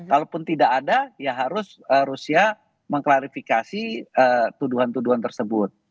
kalaupun tidak ada ya harus rusia mengklarifikasi tuduhan tuduhan tersebut